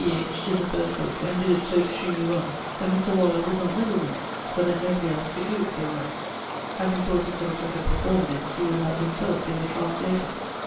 H.) did the first booke, and did it so extremely well, that Mr. Waller would not meddle with it, for that nobody els could doe it so well. Had he thought he could have better performed it, he would have himselfe been the translator.